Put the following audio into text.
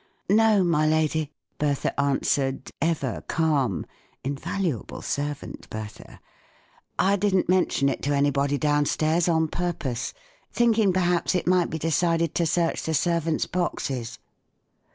"No, my lady," Bertha answered, ever calm (invaluable servant, Bertha !)," I didn't mention it to anybody downstairs on purpose, thinking perhaps it might be decided to search the servants' boxes."